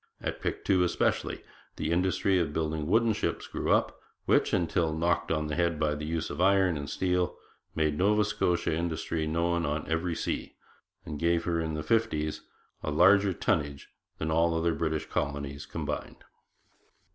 At Pictou, especially, the industry of building wooden ships grew up, which, until knocked on the head by the use of iron and steel, made Nova Scotian industry known on every sea, and gave her in the fifties a larger tonnage than all the other British colonies combined.